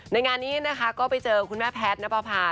ในงานนี้ก็ไปเจอคุณแม่แพทย์ณปาพา